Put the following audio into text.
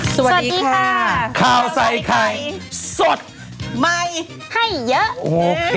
สวัสดีค่ะสวัสดีค่ะข้าวใส่ไข่สดใหม่ให้เยอะโอเค